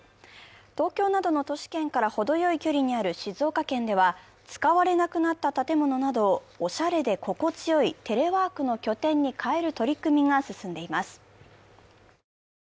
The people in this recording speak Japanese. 東京などの都市圏からほどよい距離にある静岡県では使われなくなった建物などをおしゃれで心地よいテレワークの拠点に変える取り組みが進んでいます。